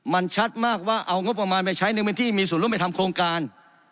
มันชัดมากว่าเอางบประมาณไปใช้ในพื้นที่มีส่วนร่วมไปทำโครงการ